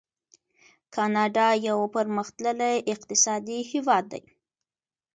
کاناډا یو پرمختللی اقتصادي هیواد دی.